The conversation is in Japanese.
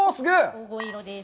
黄金色です。